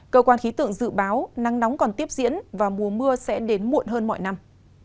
cơ quan khí tượng dự báo nắng nóng còn tiếp diễn và mùa mưa sẽ đến muộn hơn mọi năm